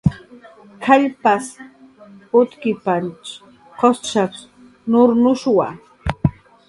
Kallps utkipanch gusp nurnuchwa